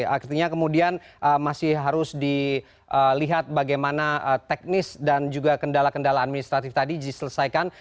artinya kemudian masih harus dilihat bagaimana teknis dan juga kendala kendala administratif tadi diselesaikan